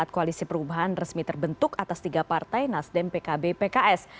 koalisi perubahan resmi terbentuk atas tiga partai nasdem pkb pks